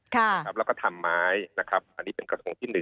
แล้วก็ทำไม้นะครับอันนี้เป็นกระทงที่๑